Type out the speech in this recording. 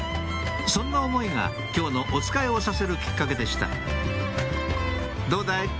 そんな思いが今日のおつかいをさせるきっかけでしたどうだい？